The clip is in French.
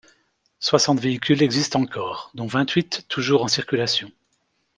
Soixante véhicules existent encore, dont vingt-huit toujours en circulation.